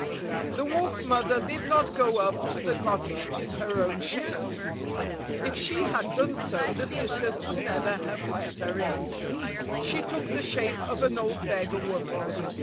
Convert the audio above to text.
The Wolf Mother did not go up to the cot tage in her own shape. If she had done so, the sisters would never have let her in. She took the shape of an old beggar woman.